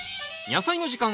「やさいの時間」